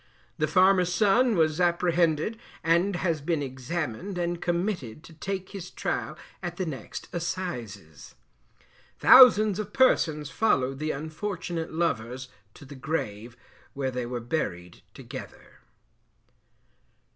The farmer's son was apprehended, and has been examined and committed to take his trial at the next Assizes. Thousands of persons followed the unfortunate lovers to the grave, where they were buried together.